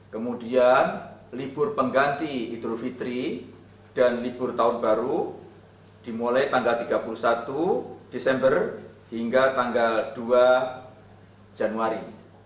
kemudian libur pengganti idul fitri dan libur tahun baru dimulai tanggal tiga puluh satu desember hingga tanggal dua januari